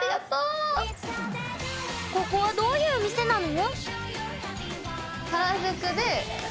ここはどういう店なの？